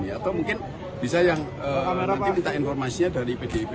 atau mungkin bisa yang nanti minta informasinya dari pdip